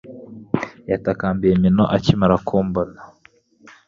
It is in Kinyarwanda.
yatakambiye Minos akimara kumbona